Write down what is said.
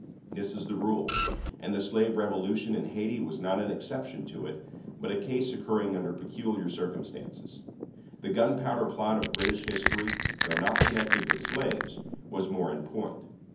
This is the rule; and the slave revolution in Hayti was not an exception to it, but a case occurring under peculiar circumstances. The gunpowder plot of British history, though not connected with slaves, was more in point.